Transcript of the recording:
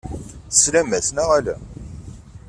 Teslam-as, neɣ ala?